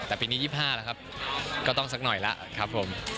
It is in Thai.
แต่ปีนี้๒๕แล้วครับก็ต้องสักหน่อยแล้วครับผม